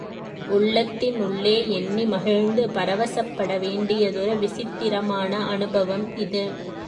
உள்ளத்தின் உள்ளே எண்ணி மகிழ்ந்து பரவசப்பட வேண்டியதொரு விசித்திரமான அனுபவம் இது.